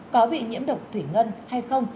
có bị nhiễm độc thủy ngân hay không